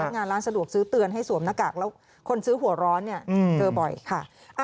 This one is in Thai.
งานร้านสะดวกซื้อเตือนให้สวมหน้ากากแล้วคนซื้อหัวร้อนเนี่ยเจอบ่อยค่ะ